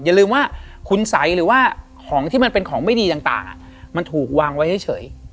อย่าลืมว่าคุณสัยหรือว่าของที่มันเป็นของไม่ดีต่างมันถูกวางไว้เฉย